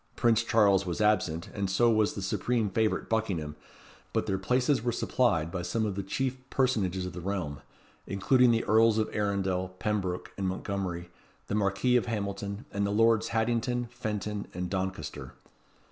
Prince Charles was absent, and so was the supreme favourite Buckingham; but their places were supplied by some of the chief personages of the realm, including the Earls of Arundel, Pembroke, and Montgomery, the Marquis of Hamilton, and the Lords Haddington, Fenton, and Doncaster.